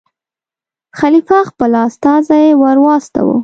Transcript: خلیفه خپل استازی ور واستاوه.